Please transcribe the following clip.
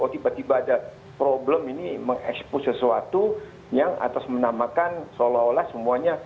tiba tiba ada problem ini mengekspos sesuatu yang atas menamakan seolah olah semuanya